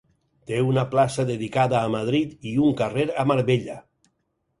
Té una plaça dedicada a Madrid i un carrer a Marbella.